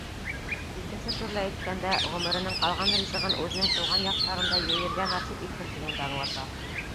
Икенсе төрлө әйткәндә, ғүмеренең ҡалған ризығын үҙенең тыуған яҡтарында ейергә насип итһен тигәнде аңлата.